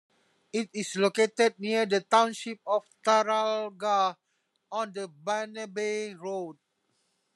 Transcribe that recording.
It is located near the township of Taralga, on the Bannaby road.